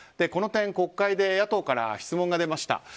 この点、国会で野党から質問が出ました。